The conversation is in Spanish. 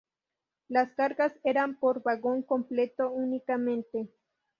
Las cargas eran por vagón completo únicamente.